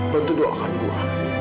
bantu doakan gue